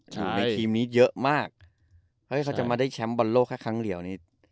อยู่ในทีมนี้เยอะมากเฮ้ยเขาจะมาได้แชมป์บอลโลกแค่ครั้งเดียวนี้